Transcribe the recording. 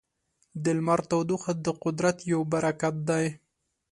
د لمر تودوخه د قدرت یو برکت دی.